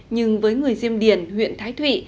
nhưng với người diêm điền huyện thái thụy